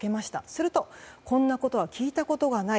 するとこんなことは聞いたことがない。